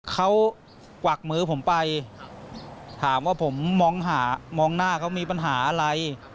เขากวักมือผมไปถามว่าผมมองหามองหน้าเขามีปัญหาอะไร